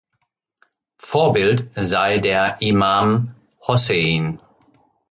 Vorbild sei der Imam Hossein.